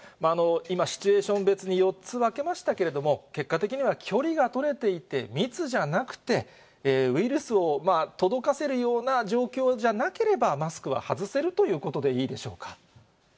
今、シチュエーション別に４つに分けましたけれども、結果的には距離が取れていて、密じゃなくて、ウイルスを届かせるような状況じゃなければ、マスクは外せるということでいいでしょうか？